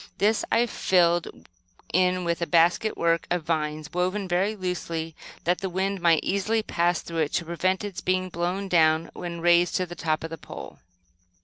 This I filled in with a basket work of vines, woven very loosely that the wind might easily pass through it, to prevent its being blown down when raised to the top of the pole.